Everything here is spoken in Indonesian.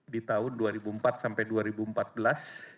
di tahun dua ribu empat sampai